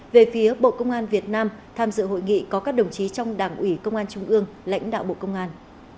về phía bộ công an việt nam tham dự hội nghị có các đồng chí trong đảng ủy công an trung ương lãnh đạo bộ công an